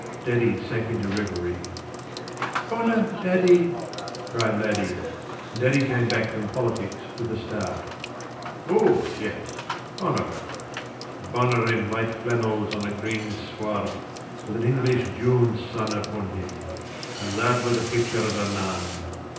Daddy sank into reverie. "Bonner, Daddy!" said Laddie, and Daddy came back from politics with a start. "Oh, yes, Bonner. Bonner in white flannels on the green sward with an English June sun upon him. That was a picture of a man!